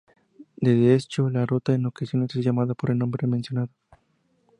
Desde ese hecho, la ruta en ocasiones es llamada por el nombre mencionado.